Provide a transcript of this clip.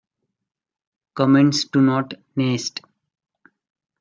Comments do not nest.